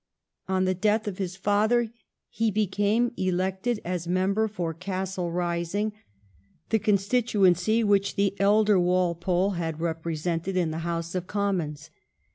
On the death of his father he became elected as member for Castle Rising, the constituency which the elder Walpole had repre 1676 1700 WALPOLE'S FATHEK. 219 sented in the House of Commons.